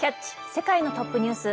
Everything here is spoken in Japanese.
世界のトップニュース」。